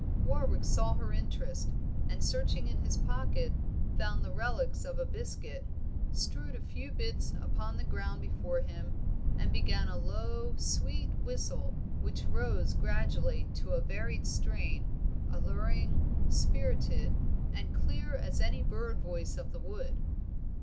Warwick saw her interest, and searching in his pocket, found the relics of a biscuit, strewed a few bits upon the ground before him, and began a low, sweet whistle, which rose gradually to a varied strain, alluring, spirited, and clear as any bird voice of the wood.